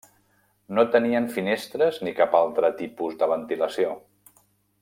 No tenien finestres ni cap altre tipus de ventilació.